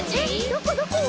どこどこ？